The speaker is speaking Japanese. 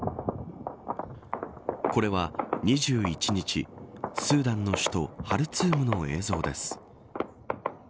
これは２１日スーダンの首都ハルツームの映像です。